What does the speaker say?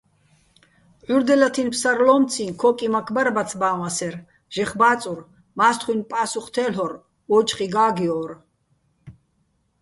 ჺურდელათინო̆ ფსარლო́მციჼ ქო́კიმაქ ბარ ბაცბაჼ ვასერ, ჟეხ ბა́წურ, მა́სხთხუჲნი̆ პა́სუხ თე́ლ'ორ, ო́ჯხი გა́გჲორ.